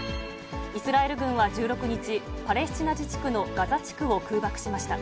イスラエル軍は１６日、パレスチナ自治区のガザ地区を空爆しました。